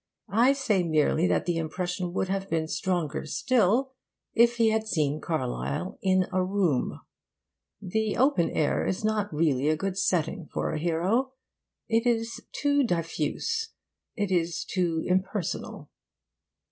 I say merely that the impression would have been stronger still if he had seen Carlyle in a room. The open air is not really a good setting for a hero. It is too diffuse. It is too impersonal.